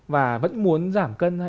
và vẫn muốn giảm cân